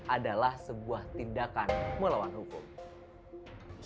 adalah sebuah tindakan melawan orang lain